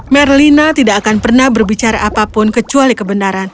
merlina tidak akan pernah berbicara apapun kecuali kebenaran